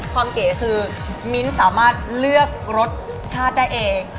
เก๋คือมิ้นสามารถเลือกรสชาติได้เอง